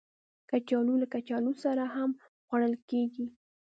کچالو له کچالو سره هم خوړل کېږي